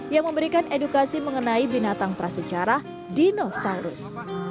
yang memberikan edukasi mengenai binatang prasejarah dinosaurus